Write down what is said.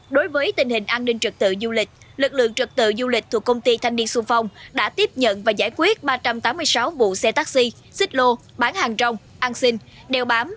đối với tình hình an ninh trật tự du lịch lực lượng trực tự du lịch thuộc công ty thanh niên sung phong đã tiếp nhận và giải quyết ba trăm tám mươi sáu vụ xe taxi xích lô bán hàng rong ăn xin đeo bám